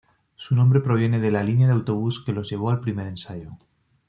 Su nombre proviene de la línea de autobús que los llevó al primer ensayo.